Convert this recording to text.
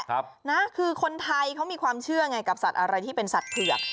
ครับนะคือคนไทยเขามีความเชื่อไงกับสัตว์อะไรที่เป็นสัตว์เผือก